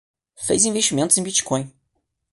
Fez investimentos em Bitcoin